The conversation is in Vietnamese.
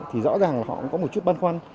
thì rõ ràng là họ cũng có một chút băn khoăn